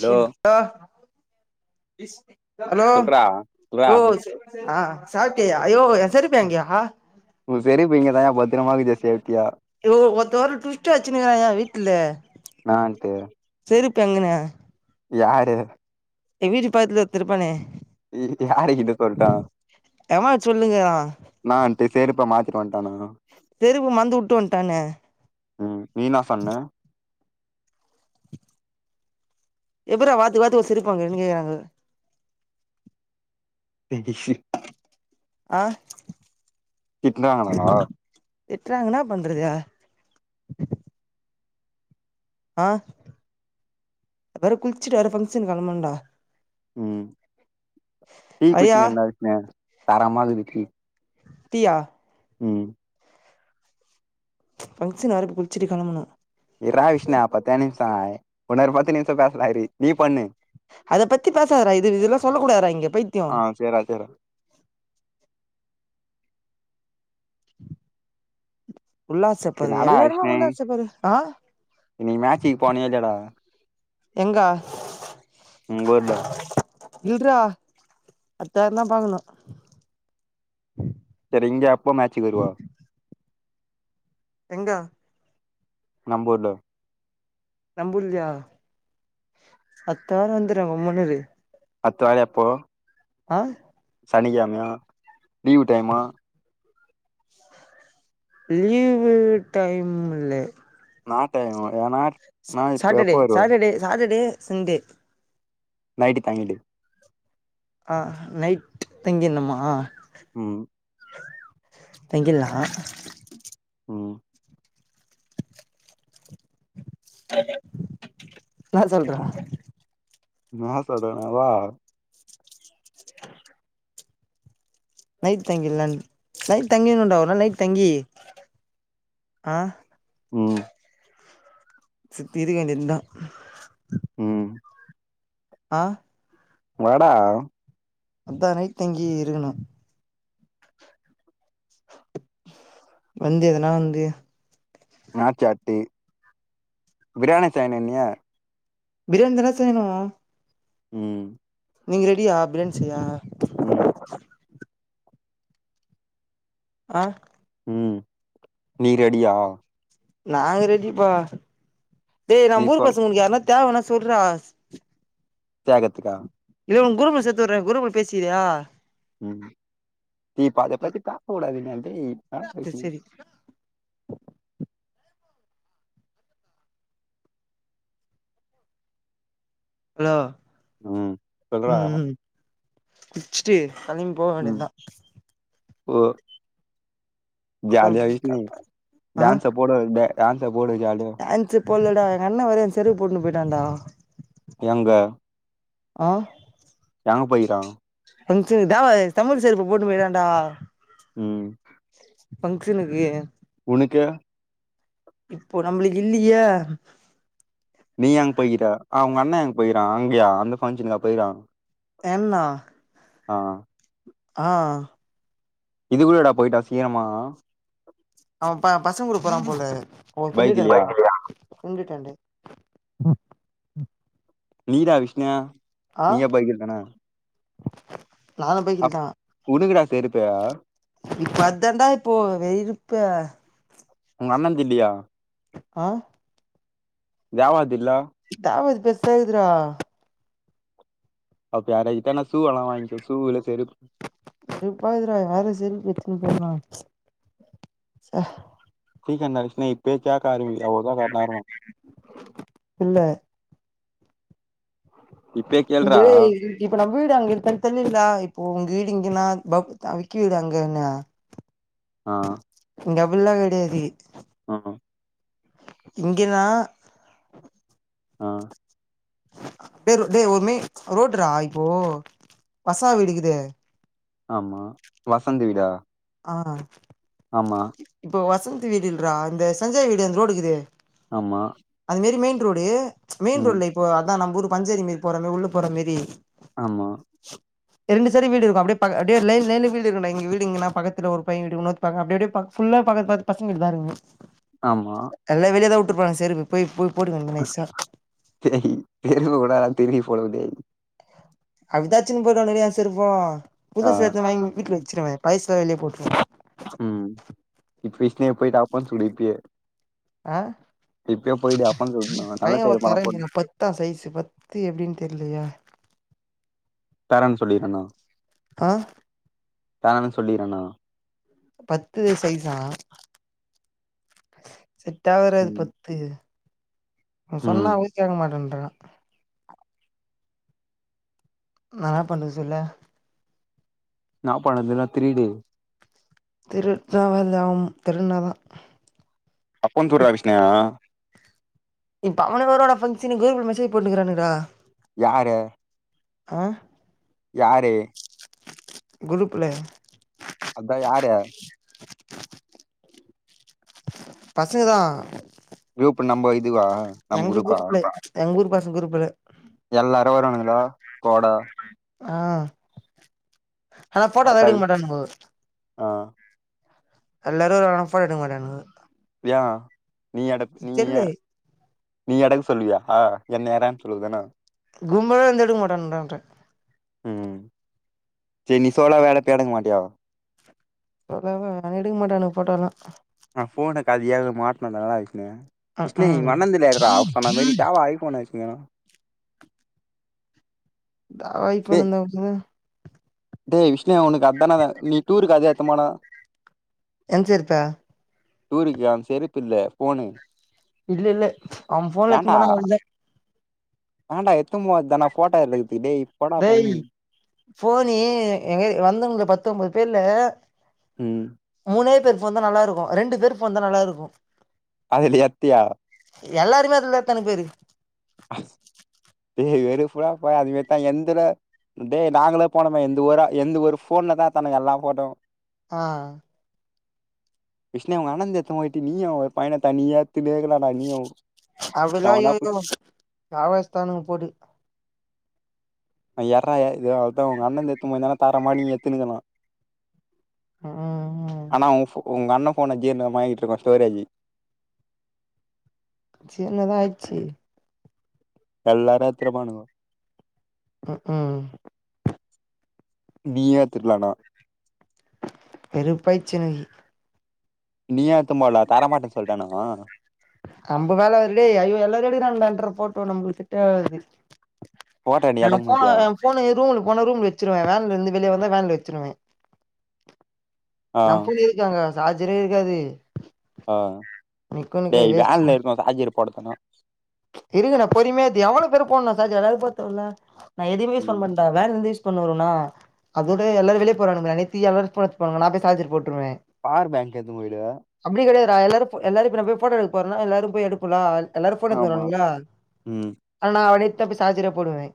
Hello சின் ஆ பிஷ்மே ஹலோ சொல்றா சொல்றா ஹலோஸ் ஆ சாப்டியா ஐயோ ய உ செருப்பு இங்க தாயா பாத் [unintelligible] யோவ் ஒருத்த வாரம் ட்விஸ்ட் வச்சுனுக்காயா வீட்ல நான்ட்டு செரி கங்கனு யாரு எங்க வீட்டு பக்கத்துல ஒருத்தன் இருப்பானே இ யாருகிட்ட சொல்ட்டான் எவ சொல்லுங்கிறா நான் சேரப்ப மாத் வன்டானா செருப்பு மறந்து வுட்டு வன்ட்டானே உம் நீனா சொன்ன எப்பர்ரா வாத்து வாத்து ஒரு செருப்பு வாங்குறனு கேக்குறாங்க [unintelligible] ஆஹ் திட்னாங்களா திட்றாங்க என்னா பண்றது ஆஹ் இப்ப வேற குளிச்சுட்டு வேற பங்க்ஷனு கிளம்பனுன்டா உம் டீ வரியா குச்சினன்டா வீட்ன தரமா‌ இருக்குது டீ டீயா உம் ச் பங்க்ஷன் வேற இப்ப குளிச்சிட்டு கெளம்பணும் இர்ரா விஷ்னு பத்தே நிமிஷ் தா வுன்னோரு பத்து நிமிஷ [unintelligible] இரி நீ பண்ணு அத பத்தி பேசாதடா இது இதல்லாம் சொல்ல கூடாதுடா இங்க ஆ பைத்தியம் சேர்ரா சேர்ரா உல்லாச இது பருவ நானா எல்லாருமே பேஸ்னே உல்லாச பருவ ஆ இன்னிக்கி மேச்சிக்கு போனியா இல்லயாடா எங்க உங்க ஊர்ல இல்றா அத்த வாரம் தான் பாக்கணும் செரி இங்க எப்ப மேட்சுக்கு வருவ எங்க நம்பூர்ல நம்பூர்லையா அத்த வாரம் வந்துருவே கம்முனு இரு அத்த வார எப்போ ஆஹ் சனிக்கிழமயா லீவு டைமா லீவு டைம் இல்லே நான் டைமு ஏனா நா இப்ப எப்ப சாட்டர்டே வருவ சாட்டர்டே சாட்டர்டே சின்டே நைட் தங்கிட்டு ஆ நைட் தங்கிறனுமா ம் தங்கியர்ல்லா உம் என்னா சொல்ற நா சடனாவா நைட் தங்கியர்லா நைட் தங்கிடனுன்டா ஒரு நாள் நைட் தங்கி ஆஹ் உம் [unintelligible] உம் ஆ வாடா அதா நைட் தங்கி இருக்கணு வந்து எதுனா வந்து நாச்சாட்டி பிரியாணி சைனின்னிய பிரியாணி தான செய்யணு உம் நீங்க ரெடியா பிரியாணி செய்யா உம் ஆ உம் நீ ரெடியா நாங்க ரெடிப்பா டேய் நீ நம்மூரு சொல் பசங்களுக்கு யாருனா தேவனா சொல்றா தியாகத்துக்கா இல்ல ஒங் குரூப் ல சேத்து விர்றேன் குரூப் ல பேசிக்கிரியா சரி சரி [inaudible] ஹலோ ம் சொல்றா வச்ட்டு கெளம்பி போக வேண்டியதா உவ ஜாலியா [unintelligible] ஆ டான்ஸ போடுவ பே டான்ஸ போடு ஜாலியா போல்லடா எங்க அண்ண வேற எ செருப்பு போட்டுன்னு போய்ட்டான்டா எங்க ஆ எங்க போய்க்கிறா கொஞ்ச இதா தமிழ் செருப்ப போட்டு போய்டாண்டா ம் ஃபங்க்ஷனுக்கு உனக்க இப்போ நம்ள்ளுக்கு இல்லீயே நீ அங்க போய்க்கிற ஆ உங்க அண்ண அங்க போய்க்கிறா அங்கயா அந்த ஃபங்க்ஷனுக்கா போய்க்கிறா ஏன்னா ஆ ஆ இது கூட எடா போயிட்டா சீக்கிரமா அவ ப பசங்கூட போறான் போல போ சொல்லிட்டாங்க போல பைக்லயா பைக்லியா உண்டுடண்டு ம் ம் நீதா விஷ்ணுய நீயே பைக்கில் தானா நானு பைக்கில் தா செரிப்பா இப்ப அதாண்டா இப்போ வெரிப்பே உங்க அண்ணந்து இல்லியா ஆ ஏ வர்தில்ல ஆவது பெருசாகுதுரா அப்ப யரகித்தானே சூவெல்லா வாங்கிக்கோ சூவுல செருப் சூப்பராதுக்குரா யாரு சிலிம்பிட் [unintelligible] [unintelligible] இப்பயே கேக்க ஆரம்பிக்குது இல்ல இப்பயே கேள்றா இது இப்ப நம்ம வீடு அங்க இருக்கானு தெரிலேல இப்போ வீடு இங்கலா பௌ விக்கி வீடு அங்க என்ன ஆ டபுள்லா கெடையாது ஆ இங்கென்னா ஆ டேய் டேய் ஒருமே ரோடுரா இப்போ வசா வீடுக்குது ஆமா வசந் வீடா ஆ ஆமா வசந் வீடு இல்ரா இந்த சஞ்சய் வீடு இந்த ரோடுக்குது ஆமா அது மாரி மெயின் ரோடு ச்சு மெயின் ரோடு ம் இல்ல இப்போ அதான் நம்மூரு பஞ்சரி மீறி போறமே உள்ள போற மாறி ஆமா ரெண்டு சைடு வீடு இருக்கும் அப்படியே பக் டே லைன் லைன்ல வீடு இருக்குண்டா எங்க வீடு இங்கணா பக்கத்து ஒரு பையன் வீடு இன்னொரு பக்கோ அப்படி அப்படியே ப ஃபுல்லா பக்கத்து பக்கத்து பசங்க வீடு தான் இருக்குது ஆமா உட்டுறுப்பாங்க செருப்பு போய் போய் போட்டுக்க நைசா செரி தெரு உடாலா தெரியி போலிருக்குதே அப்படிதான் அடிச்சிட்டு போயிருவானுக செருப்பு ஆ புதுச எதும் வாங்கி வீட்ல வை வைய்ச்சுருவே பயசுலா வெளியே போட்டுன்னுவே உம் இப்ப விஷ்ணே போய்ட் அப்ப சுடி பியே ஆஹ் அப்பான்னு சொல்லு நல்ல பையெ ஒரு பேரு பணம் போடணும் தரன்யெ பத்தா சைஸ்ஸு பத்து எப்டின்னு தெர்லையே தரென் சொல்லிருண்ணா ஆஹ் தானு சொல்லிறானா பத்து சைஸா செட் ஆவராது ம் பத்து நா சொன்னா ம் வைய்ஸ் கேக்க மாட்டன் அனா நா என்ன பண்ணுது சொல்லு நா பண்ணதுன்னா திரிடு திருட்தா வேலையாவ்ம் திருட்னாதா அப்பொ துர்ரா விஷ்ணயா இப்பவனவரோட பங்சனுக்கு குரூப்ல மெசேஜ் போட்ருக்கானுகடா யாரு ஆஹ் யாரு குரூப்ல அதா யாரு பசங்க தா. ரூப்பு நம்ப இ இதுவா நம் குரூப்பா. குரூப்ல எங்க குரூப் பசங்க குருப்புல எல்லாரு வராணுங்களா. கோடா. ஆ ஆனா போட்டா தா அதா எடுக்க மாட்டானுங்கோ உம். ஆ எல்லாரு ஃபோட்டா எடுக்க மாட்டானுங்கோ. யா நீயாடா நீயா நீ எடக்க சொல்லுவியா. அ என்ன [unintelligible] சொல்லுவதான்ன. கும்பலா வந்து எடுக்க மாட்டன்றா [unintelligible] உம் செரி நீ சோலா வேல தேட மாட்ட. டியா சோளோவா அது எடுக்க மாட்டானுங்க போட்டா எல்லா ஆ ஃபோனுக்கு [unintelligible] [unintelligible] ம் இஷ்லி ம் உங்கண்ணன்துல எடுடா சொன்ன மாரி தாவா ஐபோனு வச் [unintelligible] தாவா ஐ ஃபோனு [unintelligible] டே விஷ் [unintelligible] உனுக்கு அதான வே நீ டூருக்கு அது [unintelligible] துன் போன என்ச்சு இருப்ப டூருக் ஏ செருப் செருப்பில்ல ஃபோனு. இல்ல இல்ல. அவ ஃபோன எடுத்துட்டு போனா ந் ஒல்ஞ்சே ஏண்டா எத்துன் போ தான ஃபோட்டா எடுக்குத் டேய் ஃபோனு எங்க வந்தவங்கள்ல்ல பத்தொம்போ துல. ம் மூனே பேரு ஃபோன் நல்லாருக்கு ரெண்டு பேரு ஃபோன் தா நல்லா இருக்கு அதுல எத்தியா. எல்லாருமே அதுல்தா எத்தானுங்பேரு. அஸ். ஏ வெறுப்புடா போடா அது மாரி தா என்துல. டே நாங்களே போனமே எந்த ஒர எந்து ஒரு ஃபோன்ல தா எத்தானுங்க எல்லா ஃபோட்டாவு அ விஷ்ணு உங்கண்ணன்து எத்துன் போய்டு நீயு ஒரு பைய்னு தனியா. எத்துனே இருக்கலாடா நீயு அவலா எவனா அய்யய்யோ காவஸ்தானு பொடு [unintelligible] எ அதா உங் அண்ணண்து எத்துன் போய்ந்தனா தரமா நீ ஏத்துனுங்களா ம் ம் ஆனா ஊ ஃபோ உங்க அண்ண ஃபோன [unintelligible] மாயிட்டுருக்கூ ஸ்டோரேஜி சே என்னதா ஆச்சி எல்லாரு எத்துனு பாணுங்கோ உக் உம் நீயே திருட்லானா வெறுப்பாய்சி எனக்கு நீயா எத்தும்போல தரமாட்டன் சொல்டானா ஆஹ அம்பு வேல இல்லே ஐயோ எல்லாரோடயு நன்நன்று போட்டோ நம்பளுக் கிட்ட அது போட்டோ நீ நாங்கோ எடுக்க போன மாட்டியா போனு ரூம் போனா ரூம் வச்சிருவே வேனால் இருந்து வெளிய வந்தா வேன்ல வச்சுருவே ஆ நாம் புல்லி இருக்காங்க சார்ஜரே இருக்காது ஆஹ் நிக்கோனுக்கே வேஷ்டுடா போட சொன்னா ச் தெரியு நா பொறுமையாக்குது எவ்வளோ பேரு போன சார்ஜி வராது போத்த உள்ள ந எதியுமே ம் சொல்லமன்டா வேன் வந்திஷ் பொண்ணுவருள அதோடே எல்லாரு வெளிய போராங்களாமே நித்தியாவ போ போடப் போனாங்க நா அப்டியே சார்ஜர் போட் பார் பேங்க் எதும் இல்லயா நா எல்லாரு எல்லாரு இப்ப நம்ம போய் போட்டோ எடுக்க போறனால எல்லாரு போய் எடுப்போல அது எல்லாரு ஃபோட்டோ எடுத்துனு ஆமா வருவானுங்கள்ள ம் அது நா நித் [unintelligible] சார்ஜர போடுவே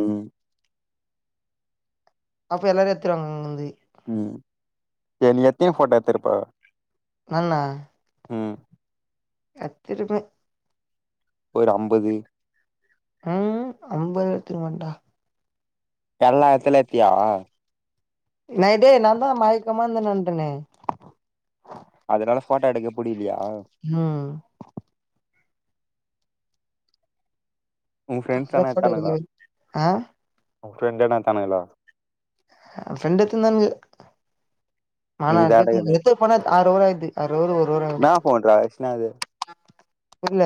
உம் அப்ப எல்லாரு எத்துருவாங்க அங்க வந்தி உம் என்னிய எத்தின போட்டா எத்ருப்ப நானா ம் எத்திருப்பே ஒரு அம்பது உங் ஐம்பது எத்திர்க்க மாட்டே தல்லாயத்துல எத்தியா நைடே நா தா மையிக்கமா இந்தானு வன்டனே அதுனால போட்டா எடுக்க புடிக்லையா உம் உன் ஃப்ரெண்ட்ஸ் [unintelligible] தான போட்டா எத்தானுங்களா எடுக்கவே இல்ல ஆஹ் உன் ஃபிரண்ட் எதுனா எடுத்தானுங்களா ஃபிரண்டு எத்திருந்தானுங்க நீ நானா தான்டா இது இர்கிறதுக்கு எத்து போனா ஆறு ஓவராயிருது ஆறு ஓவர் ஒரு என்னா [unintelligible] ஃபோன்ரா ஆக்சுவலா அது இல்ல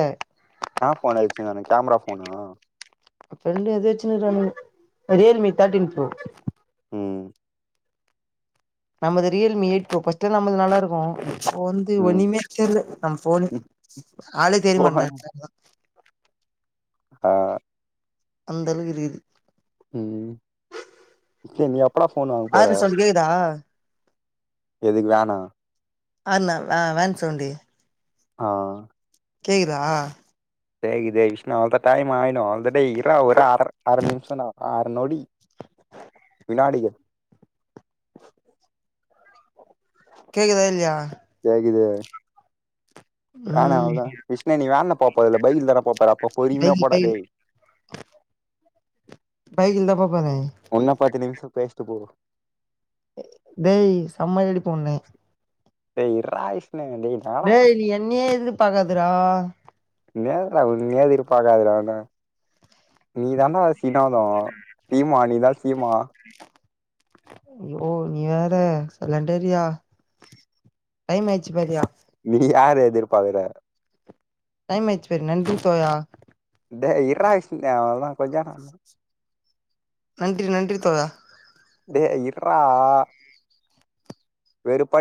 உன ரெண்டு எதாச்சுன்னு ரியல்மி தேர்ட்டின் ப்ரோ ம் நமது ரியல் மி எயிட் ப்ரோர்ஸ்ட் நமது நல்லா இருக்கூ இப்ப வந்து ம் ஒனிமே தெர்ல நம்ம ஃபோனு ஆளு தெரியமாட்டுங்க அ [unintelligible] உம் தன [unintelligible] அ சொல் கேக்தா எதுக்கு வேணா அண்ண வேன் சாவுன்டு ஆஹ் கேக்குதா கேக்குது விஷ்ணு அவ்ளுதா டைம் ஆயிரு டேய் இர்ர ஒரு அர நிமி அர நிமிஷம் நொடி நாடி [inaudible] கேக்குதா இல்லயா கேக்குது வேன ம் மாப் விஷ்ணு நீ் வான்லா போ ல பைக்லா தா போ போற போ போறீங்களா பைக்கு போ பைக் டேய் பை இந்தாப் போ உன்ன பாத்தினிங் பேஷ்ட் போவு டேய் செம எடிப் உண்ணே டேய் இர் டேய் என்னையே இது பாக்தடா [unintelligible] நீதாம் [unintelligible] சீமா நீதா சீமா ஐயோ நீ வேற சலண்டரியா டைம் ஆயிச்சு பார்யா நீ யார எதிர்பாக்குற டைம் ஆயிடுச்சு பாரு நன்றி தோழா டேய் இர்றா [unintelligible] அவளோதா கொஞ்சாரம் நன்றி நன்றி தோழா டே இர்ரா வெறுப்பாக்